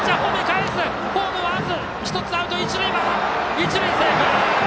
一塁セーフ！